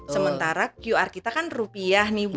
sementara qr kita kan rupiah nih bu